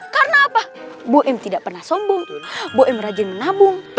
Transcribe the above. karena apa buim tidak pernah sombong buim rajin menabung